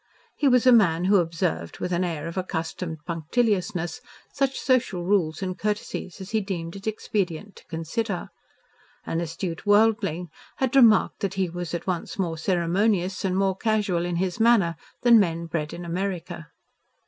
He was a man who observed with an air of accustomed punctiliousness such social rules and courtesies as he deemed it expedient to consider. An astute worldling had remarked that he was at once more ceremonious and more casual in his manner than men bred in America.